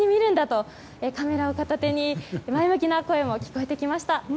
とカメラを片手に前向きな声が聞かれてきました。